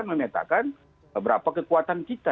memetakan beberapa kekuatan kita